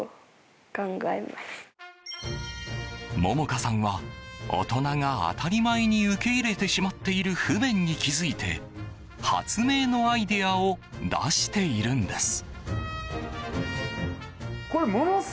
杏果さんは、大人が当たり前に受け入れてしまっている不便に気付いて発明のアイデアを出しているんです。